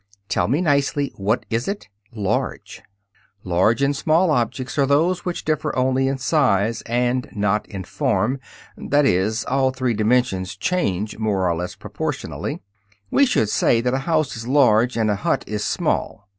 "Tell me nicely, what is it?" "Large." Large and small objects are those which differ only in size and not in form; that is, all three dimensions change more or less proportionally. We should say that a house is "large" and a hut is "small."